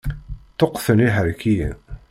Ṭuqqten iḥerkiyen.